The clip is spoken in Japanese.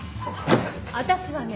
私はね